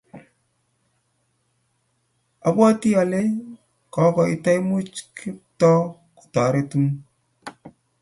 obwoti ale kotoimuchi Kiptoo kotoretu